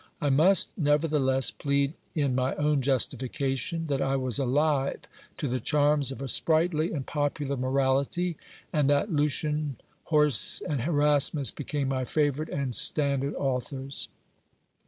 I must nevertheless plead ii my own justification, that I was alive to the charms of a sprightly and jopular morality, and that Lucian, Horace, and Erasmus became my favourite and standard authors.